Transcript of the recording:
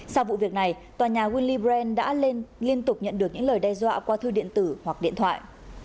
sau vụ việc này tòa nhà wily brand đã liên tục nhận được những lời đe dọa qua thư điện tử hoặc điện thoại